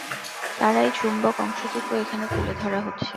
তারই চুম্বক অংশটুকু এখানে তুলে ধরা হচ্ছে।